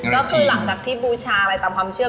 ก็คือหลังจากที่บูชาอะไรตามความเชื่อ